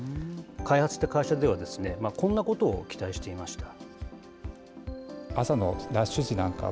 開発した会社では、こんなことを期待していました。